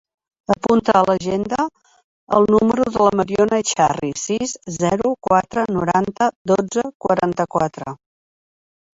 Apunta a l'agenda el número de la Mariona Echarri: sis, zero, quatre, noranta, dotze, quaranta-quatre.